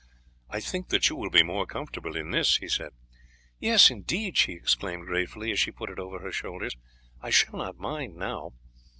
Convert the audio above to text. "I think that you will be more comfortable in this," he said. "Yes, indeed," she exclaimed gratefully, as she put it over her shoulders; "I shall not mind now."